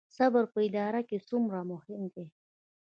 صبر په اداره کې څومره مهم دی؟